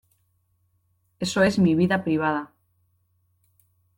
eso es mi vida privada.